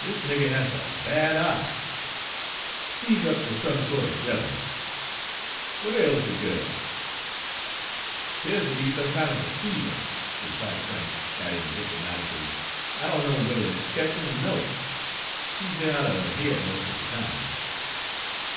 "This nigger has a bad eye, he's up ter some sort of devilment. What ails the girl?" "'Pears ter be some kind of a fever," replied Frank; adding diplomatically, "I don't know whether it's ketchin' er no she's be'n out er her head most er de time."